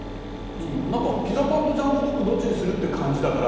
ピザパンとジャンボドックどっちにする？っていう感じだから。